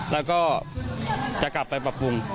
แล้วก็จะกลับไปปรับปรุง